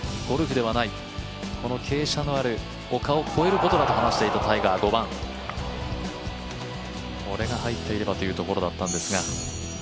ゴルフではない、傾斜のある丘を越えることだと話していた５番、これが入っていればというところだったんですが。